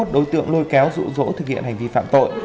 hai mươi đối tượng lôi kéo rụ rỗ thực hiện hành vi phạm tội